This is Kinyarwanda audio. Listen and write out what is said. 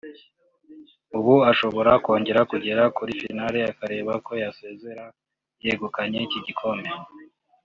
ubu ashobora kongera kugera kuri final akareba ko yasezera yegukanye iki gikombe